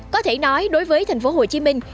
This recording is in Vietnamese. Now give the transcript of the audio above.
có thể nói đối với thành phố hồ chí minh